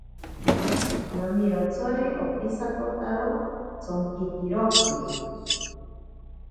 Nonirotsori okisakotakaro tsonkitiroki.